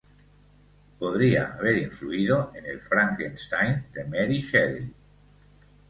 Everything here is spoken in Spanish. Podría haber influido en el "Frankenstein" de Mary Shelley.